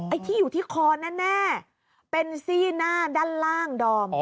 ไอ้ที่อยู่ที่คอแน่เป็นซี่หน้าด้านล่างดอม